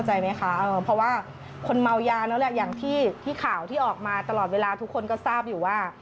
ชาวที่ออกมาตลอดเวลาทุกคนก็ทราบอยู่ว่า